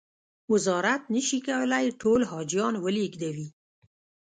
وزارت نه شي کولای ټول حاجیان و لېږدوي.